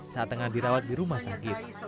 saat tengah dirawat di rumah sakit